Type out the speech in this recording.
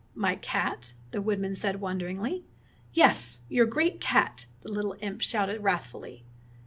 "My cat?" the woodman said wonder ingly. "Yes, your great cat!" the little imp shouted wrathfully.